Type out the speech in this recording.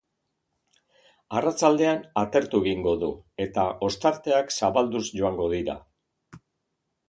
Arratsaldean, atertu egingo du, eta ostarteak zabalduz joango dira.